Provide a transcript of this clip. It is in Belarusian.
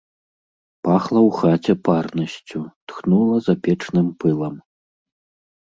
Пахла ў хаце парнасцю, тхнула запечным пылам.